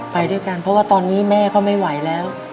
ไปด้วยกันเพราะว่าตอนนี้แม่ก็ไม่ไหวแล้ว